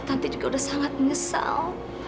tanti juga udah sangat nyesel